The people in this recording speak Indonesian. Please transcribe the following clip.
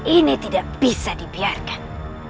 ini tidak bisa dibiarkan